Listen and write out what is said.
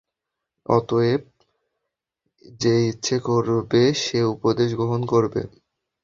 অতএব যে ইচ্ছে করবে সে উপদেশ গ্রহণ করবে।